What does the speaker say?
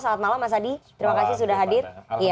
selamat malam mas adi terima kasih sudah hadir